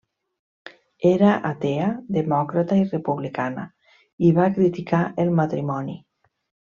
Era atea, demòcrata i republicana, i va criticar el matrimoni.